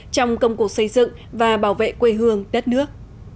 trong công cuộc xây dựng và bảo vệ quê hương đất nước